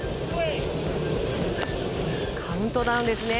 カウントダウンですね。